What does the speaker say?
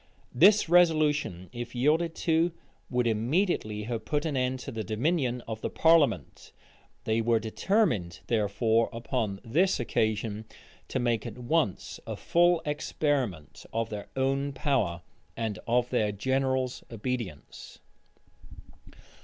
This resolution, if yielded to, would immediately have put an end to the dominion of the parliament: they were determined, therefore, upon this occasion, to make at once a full experiment of their own power, and of their general's obedience.